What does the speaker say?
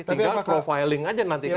tinggal profiling aja nanti kan